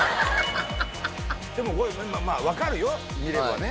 でもまあわかるよ見ればね。